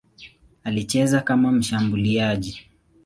Alicheza kama mshambuliaji.